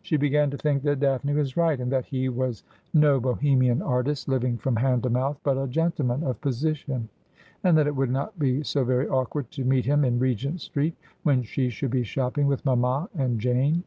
She began to think that Daphne was right, and that he was no Bohemian artist, living from hand to mouth, but a* gentleman of position, and that it would not be so very awkward to meet him in Eegent street, when she should be shopping with mamma and Jane.